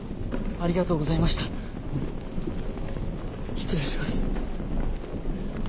失礼します。